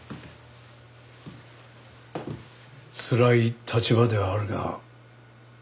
つらい立場ではあるが。